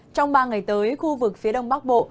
trong ba ngày tới khu vực phía đông bắc bộ